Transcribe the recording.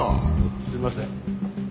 すいません。